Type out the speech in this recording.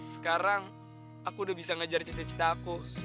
sekarang aku udah bisa ngajar cita citaku